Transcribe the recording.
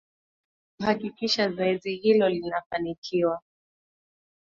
kuhakikisha zoezi hilo linafanikiwa